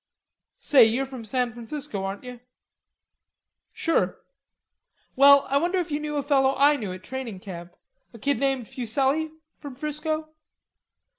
"Say, you're from San Francisco, aren't you?" "Sure." "Well, I wonder if you knew a fellow I knew at training camp, a kid named Fuselli from 'Frisco?"